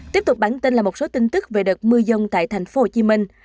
tiếp tục bản tin là một số tin tức về đợt mưa dông tại thành phố hồ chí minh